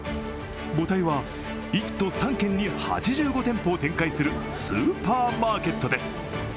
母体は１都３県に８５店舗を展開するスーパーマーケットです。